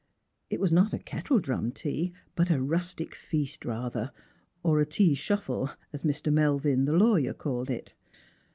It was not a kettledrum tea, but a rustic feast rather ; or a " tea shufiie," as young Mr. Melvin the lawyer, called it.